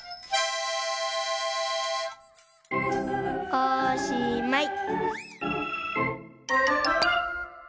おしまい！